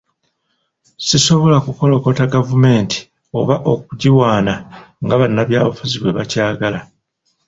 sisobola kukolokota gavumenti oba okugiwaana nga bannabyabufuzi bwe bakyagala